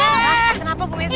kenapa ibu wesi